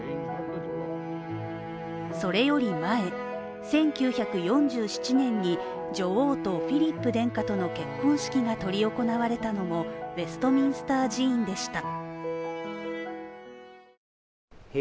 それより前、１９４７年に女王とフィリップ殿下との結婚式が執り行われたのもウェストミンスター寺院でした。